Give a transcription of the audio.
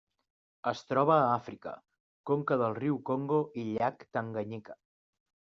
Es troba a Àfrica: conca del riu Congo i llac Tanganyika.